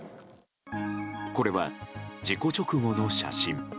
これは事故直後の写真。